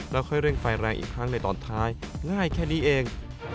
แล้วค่อยเร่งไฟแรงอีกครั้งในตอนท้ายง่ายแค่นี้เอง